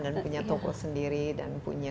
dan punya toko sendiri dan punya